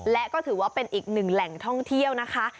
และก็ถือว่าเป็นอีกหนึ่งแหล่งท่องเที่ยวนะคะ